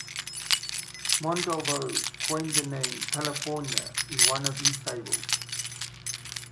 Montalvo coined the name "California" in one of his fables.